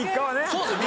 そうですよ。